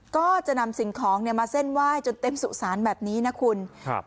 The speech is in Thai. ก็จะนำสิ่งของเนี่ยมาเส้นไหว้จนเต็มสุสานแบบนี้นะคุณครับ